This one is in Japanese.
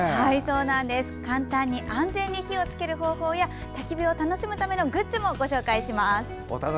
簡単に安全に火をつける方法やたき火を楽しむためのグッズもご紹介します。